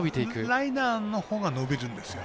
ライナーのほうが伸びるんですよ。